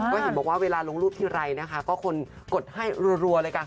ก็เห็นบอกว่าเวลาลงรูปทีไรนะคะก็คนกดให้รัวเลยกัน